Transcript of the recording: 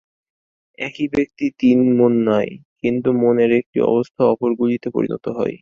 একই ব্যক্তির তিনটি মন নাই, কিন্তু মনের একটি অবস্থা অপরগুলিতে পরিণত হয়।